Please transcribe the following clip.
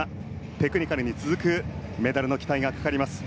テクニカルに続くメダルの期待がかかります。